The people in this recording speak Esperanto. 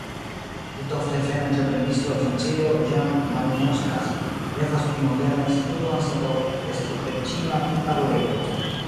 Litovdevena entreprenisto el Francio, Jean Malinauskas, revas pri moderna instituto anstataŭ striktreĝima punlaborejo.